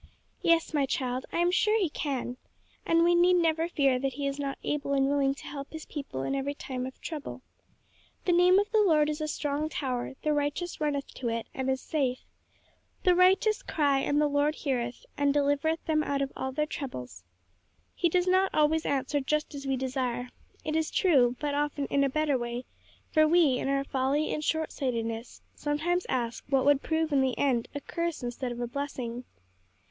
"Yes, my child, I am sure he can, and we need never fear that he is not able and willing to help his people in every time of trouble. 'The name of the Lord is a strong tower: the righteous runneth into it, and is safe.' 'The righteous cry, and the Lord heareth, and delivereth them out of all their troubles.' He does not always answer just as we desire, it is true, but often in a better way, for we, in our folly and short sightedness, sometimes ask what would prove in the end a curse instead of a blessing."